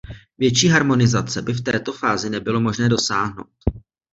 Větší harmonizace by v této fázi nebylo možné dosáhnout.